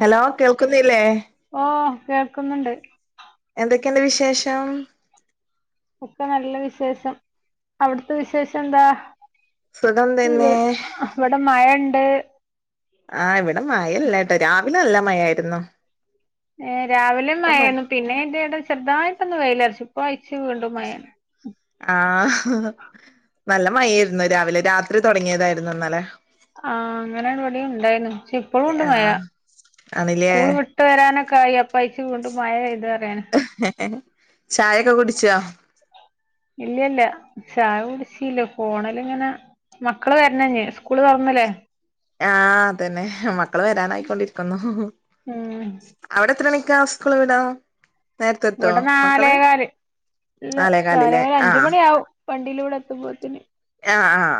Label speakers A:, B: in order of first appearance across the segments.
A: Hello കേൾക്കുന്നില്ലേ?
B: ഓ കേൾക്കുന്നുണ്ട്.
A: എന്തൊക്കെയുണ്ട് വിശേഷം?
B: ഒക്കെ നല്ല വിശേഷം. അവിടുത്തെ വിശേഷം എന്താ?
A: സുഖം
B: ഇവ
A: തന്നെ
B: ഇവിടെ മഴയുണ്ട്.
A: ആ ഇവിടെ മഴയില്ലട്ടോ രാവിലെ ന ല്ല മഴായിരുന്നു.
B: ഏ രാവിലും
A: ഇപ്പം മ
B: മയരുന്നു പിന്നെ ആയിൻ്റെ ഇടം ചെറുതായിട്ടോന്ന് വെയിലറച് ഇപ്പായി [unintelligible] മയാണ് ഉം
A: ആ നല്ല മഴായിരുന്നു രാവിലെ രാത്രി തുടങ്ങിയതായിരുന്നു ഇന്നലെ.
B: ആ അങ്ങനെവടെ ഉണ്ടായിരുന്നു പക്ഷെ ഇപ്പോഴും ഉണ്ട്
A: ആ
B: മയാ
A: ആണില്ലേ
B: സ്കൂള് വിട്ട് വരാനൊക്കെ ആയി അപ്പ പൈയിച്ച വീണ്ടും മഴ പെയ്ത
A: ചായൊക്കെ കുടിച്ചാ?
B: ഇല്ലില്ല ചായ കുടിച്ചീല്ല ഫോണലിങ്ങനെ മക്കള് വരണഞ്ഞി സ്കൂള് തുറന്നല്ലേ.
A: ആ അതന്നെ മക്കള് വരാനായിക്കൊണ്ടിരിക്കുന്നു.
B: ഉം
A: അവിടെ എത്രണ കാ സ്ക്കൂൾ വിടാ? നേരത്തെ എത്തോ
B: ഇവിടെ
A: മക്കള്
B: നാലേകാല് ഇല്ല
A: നാലേ കാലില്ലേ
B: നാലേക്കാല്
A: ആ
B: അഞ്ചുമണി ആവും വണ്ടിയില് ഇവിടെ എത്തുമ്പോത്തിന്.
A: ആ ആ ആ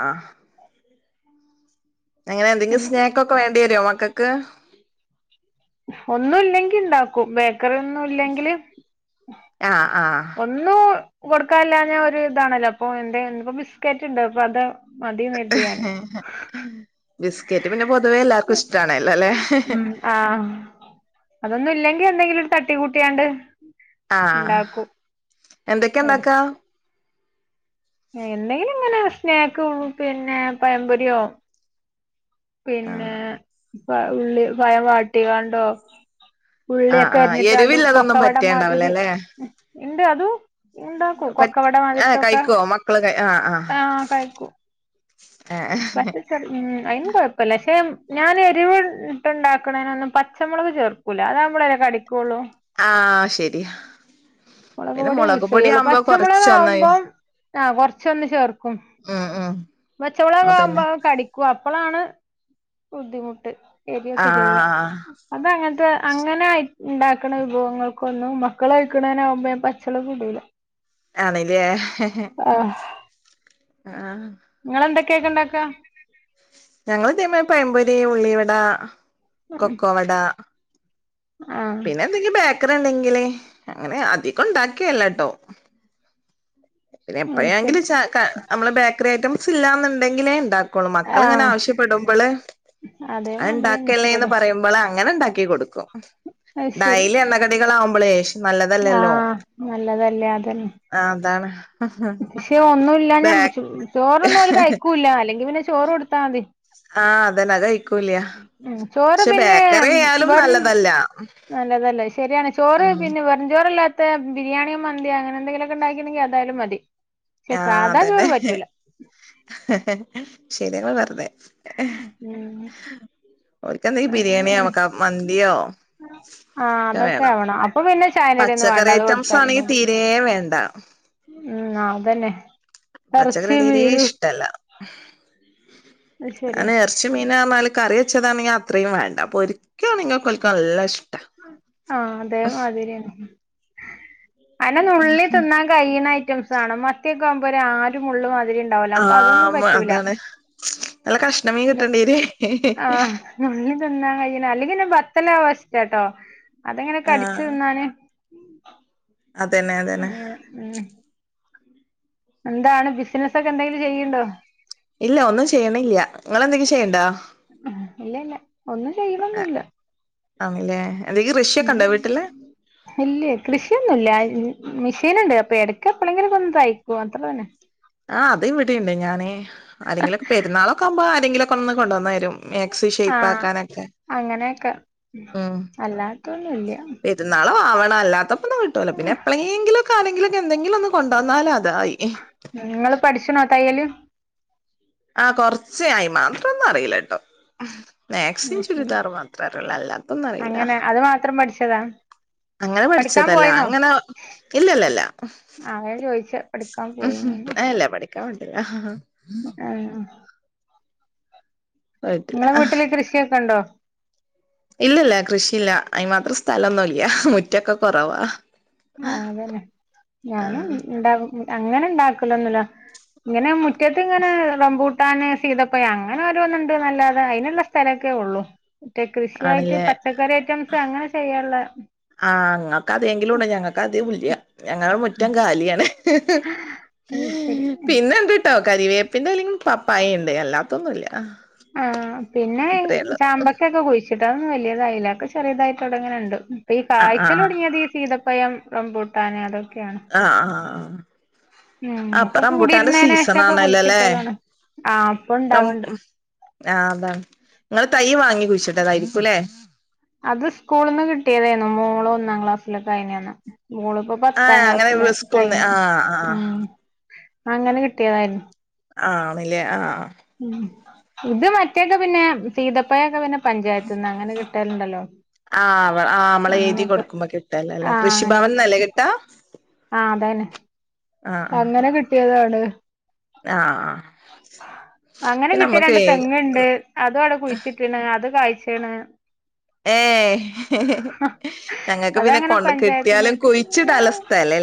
A: അങ്ങനെ എന്തെങ്കിലും സ്നാക്ക് ഒക്കെ വേണ്ടി വരുവോ മക്കക്ക്. ക്ക്
B: ഒന്നും ഇല്ലെങ്കി ഇണ്ടാക്കും വെ ക്കറിയൊന്നും ഇല്ലെങ്കില്
A: ആ ആ
B: ഒന്നു കൊടുക്കാല്ലാഞ്ഞ ഒരു ഇതാണല്ലോ അപ്പൊ എന്തേ ബിസ്ക്കറ്റ് ഉണ്ട് അപ്പൊ അത് മതിനേരുതിയാനെ
A: ബിസ്ക്കറ്റ് പിന്നെ പൊതുവേ എല്ലാർക്കും ഇഷ്ടാണല്ലൊ അല്ലേ?
B: ഉം ആഹ് അതൊന്നും ഇല്ലെങ്കി എന്തെങ്കിലും ഒരു തട്ടിക്കൂട്ടിയാണ്ട്
A: ആ
B: എട്
A: എന്തൊക്കെയണ്ടാക്കാ?
B: എന്തെങ്കിലും ഇങ്ങനെ സ്നാക്ക് പിന്നെ പയംമ്പൊരിയോ പിന്നെ
A: ആഹ്
B: ഉള്ളി പയം വാട്ടികാണ്ടോ
A: ആഹ്
B: ഉള്ളിയൊക്കെ
A: ആഹ്
B: അരിഞ്ഞിട്ടാണ്ട
A: എരിവില്ലതൊന്നും പറ്റേണ്ടാവൂല
B: കൊക്കവടമാതിരി
A: അല്ലേ
B: ഉണ്ട് അതും ഉണ്ടാക്കും
A: പറ്റ് ഏഹ്
B: കൊക്കവടമാതിരിത്തൊക്കെ
A: കഴിക്കോ മക്കള് കൈ ആഹ് ആഹ്
B: ആഹ കഴിക്കൂ
A: ഏഹ്
B: പക്ഷെ ഉ അയിന് കൊഴപ്പില്ല പക്ഷെ ഞാൻ എരിവ ട്ടുക്കുന്നതിനൊന്നും പച്ചുളക് ചേർക്കൂല്ല അതാകുമ്പളെല്ലേ കടിക്ക
A: ആഹ ശരിയാ പിന്നെ
B: പൊടിയെ
A: മുളക്
B: യൂസ്
A: പൊടി യാവുമ്പോ കൊറചൊന്ന്
B: ആകൊറച്ചൊന്ന് ചേർക്കും
A: ഉം ഉം
B: പച്ചവള
A: അതന്നെ
B: കാവുമ്പോ കടിക്കു അപ്പളാണ് ബുദ്ധിമുട്ട് എരിയൊക്കെ ചെയ്യാ
A: ആഹ്
B: അത അങ്ങനത്തെ അങ്ങനെ ആയി ണ്ടാക്കണ വിഭവങ്ങൾക്കൊന്നും മക്കൾ കഴിക്കണേന ആകുമ്പോ പച്ചളകിടൂല
A: ആണല്ലേ ആഹ്
B: നിങ്ങെന്തൊക്കെയക്കെ ഇണ്ടാക്ക
A: ഞങ്ങ ളിതെ മാരിപയമ്പോരി ള്ളി വട കൊക്കോവട
B: ആഹ്
A: പിന്നെ എന്തെങ്കി ബേക്കറി - ണ്ടെങ്കേ അങ്ങനെ അധികം ഉണ്ടാക്കിയല്ല ട്ടോ നമ്മള്
B: അത് ശരി
A: എപ്പയെങ്കിലും ചാ ക നമ്മൾ ബേക്കറി ഐറ്റം ല്ല എന്നുണ്ടെങ്കിലേ ണ്ടാകൂ മക്കള് ഇങ്ങനെ
B: ആഹ്
A: ആവശ്യപ്പെടുമ്പള് അത്
B: അതേമാതിരി തന്നെ
A: ഉണ്ടാക്കല്ലേന്ന്
B: ഇവടിം
A: പറയുമ്പളാ അങ്ങനെ ണ്ടാക്കി കൊടുക്കും
B: അത് ശരി
A: ഡൈലി എണ്ണ കടികളാ ആവുമ്പോൾ ഷ് നല്ലതല്ലല്ലോ
B: ആഹ്
A: ആ അതാണ്
B: പക്ഷ ഒന്നുമില്ല
A: ബേ
B: ഞാൻ ചോറൊന്നും കഴിക്കൂല്ല അല്ലെങ്കിൽ പിന്നെ ചോറ കൊടുത്ത മതി
A: അ അതന്നെ കഴി
B: ഉ ചോറ് പിന്നെ
A: ആയാലും
B: വെറും
A: നല്ലതല്ല
B: നല്ലതല്ലേ ശരിയാണ് ചോറ്
A: ഉം
B: പിന്നെ വെറുചോറു ചോറ് അല്ലാത്തെ ബിരിയാണിയോ മന്തി അങ്ങനെ എന്തെങ്കിലുമൊക്കെ ഉണ്ടാക്കിനെ അതായാലും മതി പക്ഷെ
A: ആഹ്
B: സാധാ
A: അതന്നെ
B: ചോറ് പറ്റൂല
A: ശരിയങ്ങൾ പറഞ്ഞെ ഓൽക്കെന്തെങ്കിലും
B: ആ അങ്ങനെ
A: ബിരിയാണിയോ
B: ആണ്
A: ക മന്തിയോ ഒക്കെ
B: അ ആ അതൊക്കെ
A: വേണം
B: ആവണം അപ്പൊ പിന്നെ ചായയും കടിയും ഒന്നും വേണ്ട
A: പച്ചക്കറി
B: അത്
A: ഐറ്റംസ്
B: കൊടുത്താലും
A: ആണെങ്കി
B: മതി
A: തീരെ വേണ്ട
B: ഉ തന്നെ
A: പച്ചക്കറി തീരെ ഇഷ്ടല്ല
B: അത് ശരിയാ
A: അനെ ഇറച്ചി മീനും എന്നാല് കറി വെച്ചതാണെങ്കിൽ അത്രയും വേണ്ട പൊരിക്കാനെങ്കിൽ ഓൽക്ക്‌ നല്ല ഇഷ്ടാ.
B: ആ അതേമാതിരി അനെ നുള്ളി തിന്നാൻ കഴിയുന്ന ഐറ്റംസ് ആവണം മറ്റേ പോ ആരുമുള്ളും
A: ആ അതാണ് നല്ല കഷ്ണമീൻ കിട്ടേണ്ടിവരും
B: ആ തിന്നാ കഴിനാ അല്ലേ ബത്തലാഇഷ്ടം കേട്ടോ അതെങ്ങനെൊക്കെ അരിച്ചു
A: ആഹ്
B: തിന്നാന്.
A: അതന്നെ അതന്നെ
B: ഉം ഉം എന്താണ് ബിസിനസൊക്കെ എന്തെങ്കിലും ചെയ്യ്ണ്ടോ
A: ഇല്ല ഒന്നും ചെയ്യണില്ല നിങ്ങളെ ന്തെങ്കിലും ചെയ്യ്ണ്ടോ
B: ഇല്ല ഇല്ല ഒന്നും ഉ ഇല്ല കൃഷിയൊന്നുമല്ല. മെഷീൻ ഉണ്ട് അപ്പൊ എടക്ക എപ്പഴെങ്കിലും കൊ തയ്ക്കും അത്ര തന്നെ
A: ആ അതും ഇവിടെണ്ട് ഞാന് അല്ലെങ്കിൽ പെരുന്നാളൊക്കെകുമ്പോ എന്തെങ്കിലൊക്കൊന്ന് കൊണ്ടന്നരും
B: ആ അങ്ങനെയക്കെ
A: ഉം
B: അല്ലാത്തൊന്നുല്ല്യ
A: അല്ലാത്തപ് ഒന്ന് കിട്ടോല്ലോ പിന്നെ എപ്പളെങ്കിലും ക്കാണെങ്കിലൊഎന്തെങ്കിലൊന്ന് കൊണ്ടന്നാലാ അ- തായി
B: നിങ്ങൾ പഠിച്ച്ണോ തയ് യ്യല്
A: ആ കൊറച്ച് അയിമാത്രൊന്നു അറീല ട്ടോ
B: അത്
A: മാക്സിം
B: ശരി
A: ചുരിദാറും മാത്രറിള്ളൂ അല്ലാത്തൊന്നും അറീല്ല
B: അങ്ങനെ അത് മാത്രം പഠിച്ചതാ
A: അങ്ങനെ
B: പഠിക്കാൻ
A: പഠിച്ചതല്ല
B: പോയിന്നോ
A: അങ്ങനെ ഇല്ലല്ലല്ല
B: ആ അതാ ചോദിച്ചെ പഠിക്കാൻ
A: അഅല്ല പഠിക്ക ക്ക വിട്ടില്ല
B: ആഹ്
A: പോയിട്ടില്ല
B: ഇങ്ങളെ വീട്ടില് കൃഷിയൊക്കെ ഇണ്ടോ
A: ഇല്ലല്ല കൃഷിയില്ല അയിന് മാത്രം സ്ഥല ന്നുമില്ല മുറ്റൊക്കെ കുറവാ
B: ആ അതന്നെ ഞാനും ഉണ്ടകും അങ്ങനെ ഉണ്ടാക്കല ഒന്നല്ലോ ഇങ്ങനെ മു ഇങ്ങനെൂട്ട കിട്ടാന് സീതപ്പ അങ്ങനെ രോന്നുണ്ട് നല്ലാതെ അതിനുള്ള സ്ഥലമൊക്കെ ഉള്ളു മറ്റേ കൃഷിയായിട്ട്
A: ആണല്ലേ
B: പച്ചക്കറി ഐറ്റംസ് അങ്ങനെ ചെയ്യാനുള്ള
A: ആഹ അതെങ്കിലും ഉണ്ട ഞങ്ങൾക്ക് അദ്യംമല് ഞങ്ങളുടെ മുറ്റം കാലിയാണ്
B: അത് ശരി
A: പിന്നെണ്ട് കേട്ടോ കരിവേപ്പിന്റെ അല്ലെങ്കിൽ പപ്പായ ഉണ്ട് അല്ലാത്തൊന്നുമ ഇല്ല
B: ആ പിന്നെ ചാമ്പക്കൊക്കെ കുഴിച്ചിട്ട അന്ന വ വലതായലൊക്കെ ചെറിയതായി തുടങ്ങിണ്ട് അഈ
A: ആഹ്
B: കാഴ്ചൽ
A: ആഹ്
B: തുടങ്ങിയതി സീതം സ്വയം റംമ്പൂട്ടാനെ അതൊക്കെ
A: ആഹ ആഹ ആഹ
B: ഉം ഒക്കെ
A: സീസൺ
B: കൂടിരുന്നതിനനശൊക്കെ
A: ആണല്ലോ അല്ലേ
B: കുഴിച്ചിട്ടതാണ് ആ അപ്പൊ ഇണ്ടാവണ്ട്
A: ആഹ് അതാണ് നിങ്ങള് തൈ വാങ്ങി കുഴിച്ചിട്ടേതായിരിക്കുംല്ലേ
B: അത് സ്കൂളിൽ നിന്ന് കിട്ടിയതായിരുന്നു മോളോ ഒന്നാം ക്ലാസ്സിലൊക്കെ അയിനന്ന് മോള്ിപ്പോ പത്താം
A: ആഹ് അങ്ങനെ
B: ക്ലാസ്സില്
A: സ്കൂൾന്ന്
B: കഴിഞ്ഞു
A: ആഹ് ആഹ്
B: ഉ അങ്ങനെ കിട്ടിയതായിരുന്നു
A: ആണല്ലേ ആ
B: ഉ ഇത് മറ്റൊക്കെ പിന്നെ സീതപ്പയൊക്കെ പിന്നെ പഞ്ചായത്ത് നിന്ന് അങ്ങനെ രണ്ടലോ
A: ആഹ് ആഹ് നമ്മള് എഴുതി കൊടുക്കുമ്പോ കിട്ടല്ല അല്ലേ കൃഷിഭവൻ നില കിട്ടാ
B: ആതന്നെ
A: ആഹ് ആഹ്
B: അങ്ങനെ കിട്ടിയതാണ് ത്
A: ആഹ് ആഹ്
B: അങ്ങനെ
A: പിന്നെ
B: കിട്ടിയ
A: നമ്മക്ക്
B: രണ്ട് തെങ്ങുണ്ട് അതും അവിടെ കുഴിച്ചിട്ടിണ് അത് കയി ക്ഷാണ്
A: ഏ ഞങ്ങക്ക് പിന്നെ
B: അതങ്ങനെ
A: കൊണ്ട് കിട്ടിയാലും കുഴിച്ചിട ഉള്ള സ്ഥലം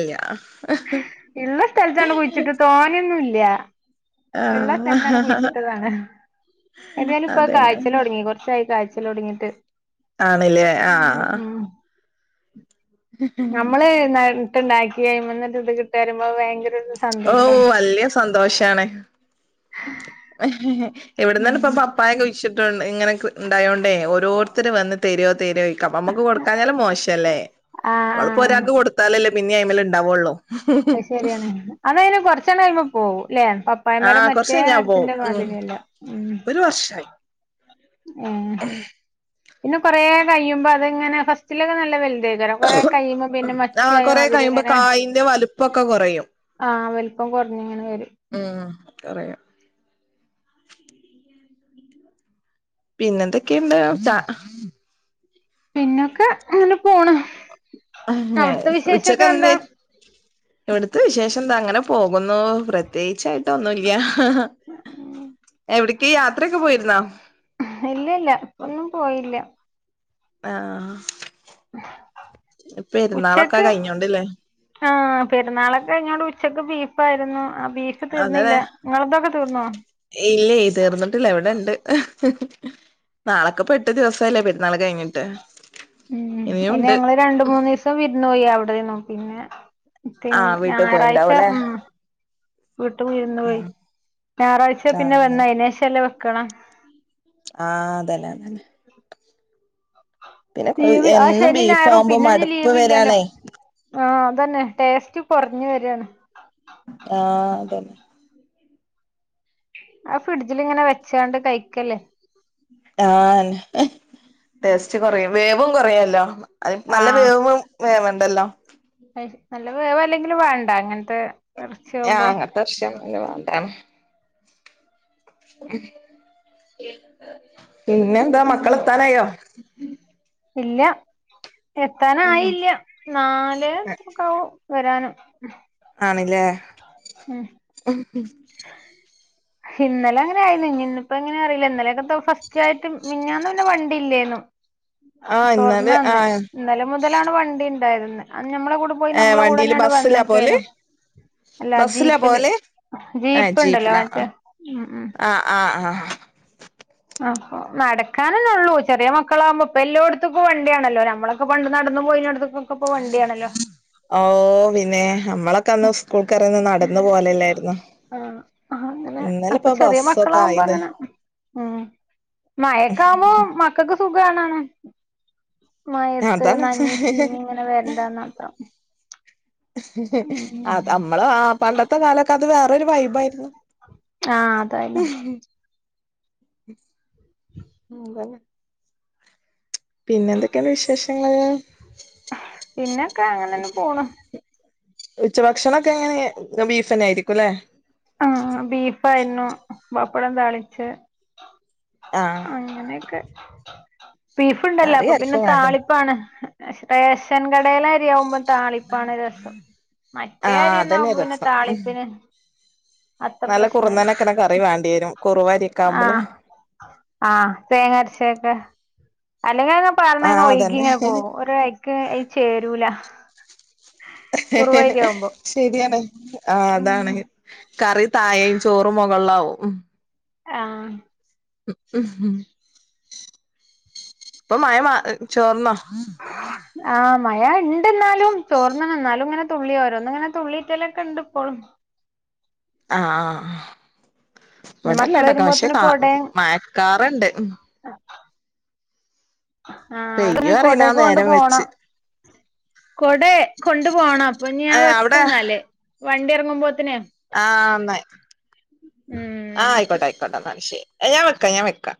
B: ഉള്ള സ്ഥലത്താണ് കുഴിച്ചിട്ട് തോനിയൊന്നുംല് ഇല്ല ഉള്ള സ്ഥലത്തന്ന്
A: ആഹ്
B: കുയിച്ചിട്ടതാണ് എന്തായാലും ഇപ്പൊ
A: അതന്നെ
B: കാഴ്ചൽ തുടങ്ങി കുറച്ചായി കാഴ്ച് [unintelligible]
A: ആണല്ലേ ആഹ്
B: നമ്മള് നിട്ടണ്ടാക് ക്കി അയിമ്മന്നൊരു ഇത് കിട്ടാ പറയുമ്പോ അ ഭയങ്കര ഒരു
A: ഓ
B: സന്തോഷാണ്
A: വല്യ സന്തോഷാണ് ഇവിടന്നാണ് ഇപ്പ
B: ഉം
A: പപ്പായ കുഴിച്ചു [unintelligible] ഇങ്ങനെ ഉണ്ടായോണ്ടേ ഓരോരുത്തർ വന്ന് തരോ തരോ ചൊയ്ക്കും നമ്മക്ക് കൊടുക്കാഞ്ഞാലും മോശംല്ലേ
B: ആഹ്
A: നമ്മളിപ്പോ
B: ആഹ്
A: ഒരാക്ക് കൊടുത്താലല്ലേ പിന്നെ അയ്മ്മല് ഉണ്ടാവൊള്ളൂ
B: അ ശരിയാണ് അത് അയിന് കുറച്ചെണ്ണയ്മ പോവും ല്ലേ പപ്പായ മരം
A: ആഹ് കൊറച്ച്
B: മറ്റേ
A: കഴിഞ്ഞാ പോവും
B: മരത്തിന്റെ
A: ഉം
B: മാതിരി അല്ല ഉം
A: ഒരു വർഷായി
B: ഏഹ് പിന്ന കൊറേ കഴിയുമ്പ അത്ങ്ങനെ ഫസ്റ്റിലൊക്കെ നല്ല വൽ തയ്ക്കാരം കൊറെ കഴിയുമ്പ പിന്നെ മച്ചി
A: ആഹ്
B: ആയ
A: കൊറെ
B: മാതിരി
A: കഴിയുമ്പോ
B: അയ്ക്കാരം
A: കായിന്റെ വലുപ്പൊക്കെ കൊറയും
B: ആഹ് വലുപ്പം കുറഞ്ഞങ്ങനെ വരും
A: ഉം കൊറയും പിന്നെന്തൊക്കെയുണ്ട് ചാ
B: പിന്നൊക്കെ അങ്ങനെ പോണ് അവിടുത്തെ വിശേഷൊക്കെ
A: ഉച്ചക്കന്ന്
B: എന്താ
A: ഇവിടുത്തെ വിശേഷ പഎന്ത അങ്ങനെ പോകുന്നു പ്രത്യേകിച്ചായിട്ട് ഒന്നുല്ല എവിട് യാത്രയൊക്കെ പോയിരുന്നോ?
B: ഇല്ല ഇല്ല ഇപ്പൊന്നും പോയില്ല
A: ആ ആ ആ
B: ഉച്ചക്ക്
A: കഴിഞ്ഞോണ്ടില്ലേ
B: ആ പെരുന്നാളൊക്കെ [unintelligible] ഉച്ചക്ക് ബീഫ് ആയിരുന്നു
A: അതേ ഇല്ല തീർന്നിട്ടില്ല ഇവിടെ ഉണ്ട് നാളേക്കിപ്പ എട്ട് ദിവസായില്ലേ പെരുന്നാള് കഴിഞ്ഞിട്ട്
B: ഉം അയിന്
A: ഇനിയുണ്ട്
B: ഞങ്ങള് രണ്ട് മൂന്ന് ദിവസം വിരുന്ന് പോയി അവി ടെയാർന്നു പിന്നെ
A: ആഹ് വീട്ട്
B: ഞായറാഴ്ച
A: പോയിണ്ടാവുംല്ലേ
B: ഉം വീട്ട് വിരുന്ന് പോയി
A: ആഹ്
B: ഞായറാഴ്ച പിന്നെ
A: ആഹ്
B: വന്ന അയ്ന് ശേഷം അല്ലെ ക്കണം
A: ആ അതന്നെ അതന്നെ പിന്നെ കൊ
B: ലീവ് ആ
A: എന്നും
B: ശനി
A: ബീഫ്
B: ഞായറും
A: ആവുമ്പോ
B: പിന്നെ
A: മടുപ്പ് വരണേ
B: അന്നെ ടേസ്റ്റ് കുറഞ്ഞു വരാണ്
A: ആഹ് അതന്നെ
B: ആ ഫ്രിഡ്ജിലിങ്ങനെ വെച്ചാണ്ട് കഴിക്കല്ലേ
A: ആ ടേസ്റ്റ് കൊറയും വേവും കൊറയല്ലോ ആ അത് നല്ല
B: ആഹ്
A: വേവും വേവണ്ടല്ലോ
B: നല്ല വേവല്ലെങ്കിലും വേണ്ട ഇറച്ചിയാവുമ്പോ
A: അങ്ങത്തെ ഇറച്ചി ആവുമ്പോ ത്തം പിന്നെ എന്താ മക്കളെത്താനായോ
B: ഇല്ല എത്താനായില്ല നാല് ഒക്കെയാവും വരാനും
A: അല്ലേ
B: ഉം
A: ഉം
B: ഇന്നലെ അങ്ങനെ ആയിരുന്നു ഇനിഇന്നിപ്പോ എങ്ങനെ അറിയില്ല ഇന്നലൊക്കെ ഫസ്റ്റ് ആയിട്ട് മിഞ്ഞാന്ന് പിന്നെ വണ്ടി ഇല്ലേന്നും
A: ആഹ് ഇന്നാല്
B: തൊറന്നന്നെ
A: ആഹ്
B: ഇന്നലെ മുതലാണ് വണ്ടി ഉണ്ടായിരുന്നു നമ്മളെ കൂടെ പോയി
A: ഏഹ്
B: നമ്മളെ
A: വണ്ടിയില്
B: കൂടെന്നാണ്
A: ബസ്സിലാ പോവല്
B: വന്നയ്ക്കാനു അല്ല
A: ബസ്സിലാ
B: ജീപ്പില്
A: പോവല് ഏഹ്
B: ജീപ്പ് ഉണ്ടല്ലോ മറ്റേ ഉ ഉ
A: ആ ആ
B: അപ്പൊ നടക്കാനന്ന ഉള്ളൂ ചെറിയ മക്കളാവുമ്പോപ്പൊ എല്ലാം അടത്തക്ക വിയാണല്ലോ നമ്മളൊക്കെ പണ്ട് നടന്നു പോയി അടുത്തൊക്കെ
A: ഓ പിന്നെ നമ്മള ന്ന് സ്കൂൾ കറന്ന് നടന്ന പോലല്ലായിരുന്നു
B: ആഹ് അങ്ങനെ
A: ഇന്നല ഇപ്പ ബസ്സൊക്കെ ആയില്
B: ആ മയക്കാവുമ്പോ മക്കെക്ക് സുഖാണം മയത്ത്
A: അതാണ്
B: നനഞ്ഞി ചീഞ്ഞ് ഇങ്ങനെ വരണ്ടാന്നർത്ഥം
A: അത അമ്മള ആ പണ്ടത്തെ കാലൊക്കെ അത് വേറരു വൈബായിരുന്നു
B: ആഹ് അതായാലും
A: ഉ അതെല്ലേ പിന്നെ എന്തൊക്കെയണ്ട് വിശേഷങ്ങൾ
B: പിന്നൊക്കെ അങ്ങനെന്നെ പോണു
A: ഉച്ച ഭക്ഷണൊക്കെ എങ്ങനെ ബീഫ് തന്നെ ആയിരിക്കുംല്ലെ
B: ആ ബീഫായിരുന്നു പപ്പടം തെളച്ച്
A: ആഹ്
B: അങ്ങനൊക്കെ ആ [unintelligible] ബീഫ്ണ്ടല്ലോ
A: കറി
B: അപ്പൊ പിന്നെ
A: ആർക്കും വേണ്ട
B: താളിപ്പാണ് റെഷൻകടയില അരിയാവുമ്പോ താളിപ്പാണ് രസം മറ്റേ
A: ആഹ്
B: കാര്യന്ന
A: അതന്നെ
B: ന്പ പിന്നെ
A: രസം
B: താളിപ്പിന് അത്ര
A: നല്ല
B: പ്രശ്നല്ലേ
A: കുറുന്നനൊക്കെണ കറി വേണ്ടി വരും കുറുവരിയൊക്കെ
B: ആ
A: ആവുമ്പള്
B: ആ തേങ്ങരച്ചയൊക്കെ അല്ലെകിങ്ങനെ പറഞ്ഞന്നാ
A: ആഹ്
B: ഓയ്‌കി
A: അതന്നെ
B: ഇങ്ങനെ പോകും ഒരാക്ക് അയി ചേരൂല്ലാ
A: ശരിയാണ് ആ
B: ഉം
A: അതാണ് കറി തായയും ചോറും മുകളിലവും
B: ആ
A: ഉ ഉം ഇപ്പൊ മായ മാ ചോർന്നോ
B: ആ മായ ഇണ്ടെന്നാലും തോർന്ന്ണ് ഇന്നാലും ഇങ്ങനെ തുള്ളി ഓരോന്ന് ഇങ്ങനെ തുള്ളിയൊറ്റലൊക്കെ ഇണ്ട് ഇപ്പോഴും
A: ആ ആ
B: ഇനി മക്കള്
A: ഇവിടെല്ലാടക്കെ പക്ഷെ
B: വരുമ്പോത്തിന്
A: കാ
B: കൊടേം
A: മയക്കാറുണ്ട് ഉം
B: ആ അവടെ ഞാൻ കൊട
A: അറിയില്ല
B: കൊണ്ട്
A: നേരം
B: പോണം
A: വെച്ച്
B: കൊട കൊണ്ട് പോണം അപ്പൊ നീ
A: ഏഹ്
B: വെക്കന്നല്ല് വണ്ടി ഇറങ്ങുമ്പോത്തനെ
A: ആന്ന്
B: ഉം
A: ആ
B: ന്നാ ശരി
A: ആയികോട്ടെ ആയിക്കോട്ടെ എന്നാൽ ശെരി ഞാൻ വെക്ക ഞാൻ വെക്കാം